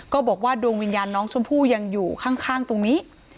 บอกว่าดวงวิญญาณน้องชมพู่ยังอยู่ข้างตรงนี้